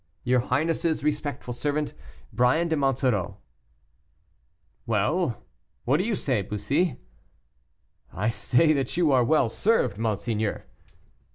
"Your highness's respectful servant, "BRYAN DE MONSOREAU." "Well, what do you say, Bussy?" "I say that you are well served, monseigneur."